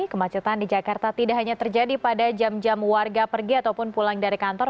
kemacetan di jakarta tidak hanya terjadi pada jam jam warga pergi ataupun pulang dari kantor